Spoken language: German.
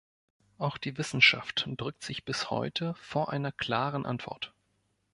Auch die Wissenschaft drückt sich bis heute vor einer klaren Antwort.